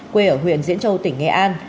quê ở huyện diễn châu tỉnh nghệ an